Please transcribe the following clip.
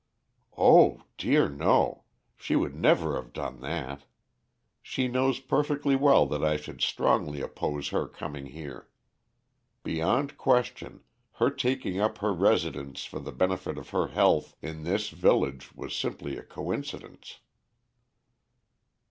"Oh! dear no. She would never have done that. She knows perfectly well that I should strongly oppose her coming here. Beyond question, her taking up her residence for the benefit of her health in this village was simply a coincidence."